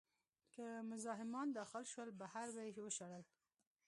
که مزاحمان داخل شول، بهر به یې وشړل.